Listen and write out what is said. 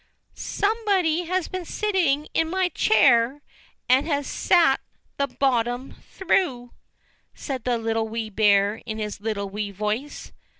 "somebody has been SITTING IN MY CHAIR, AND HAS SATE THE BOTTOM THROUGH!" said the Little Wee Bear in his little wee voice.